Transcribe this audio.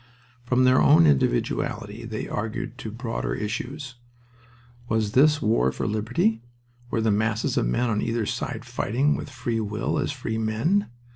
From their own individuality they argued to broader issues. Was this war for liberty? Were the masses of men on either side fighting with free will as free men?